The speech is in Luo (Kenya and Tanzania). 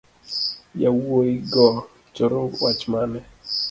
Yawuigo choro wach mane.